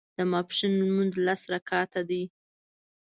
د ماسپښين لمونځ لس رکعته دی